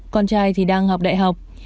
con trai thì đang học đại học